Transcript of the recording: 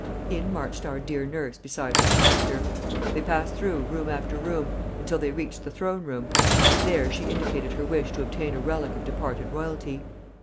In marched our dear nurse beside her protector. They passed through room after room until they reached the throne room; there she indicated her wish to obtain a relic of departed royalty.